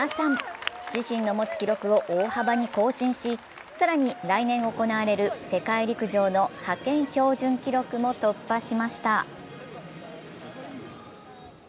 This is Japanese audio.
自身の持つ記録を大幅に更新し、更に来年行われる世界陸上の派遣標準記録も突破しました。